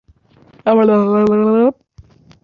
Bu safar aniq kredit olaman.